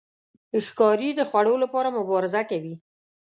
ښکاري د خوړو لپاره مبارزه کوي.